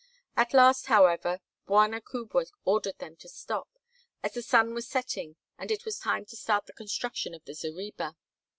At last, however, Bwana kubwa ordered them to stop, as the sun was setting and it was time to start the construction of the zareba.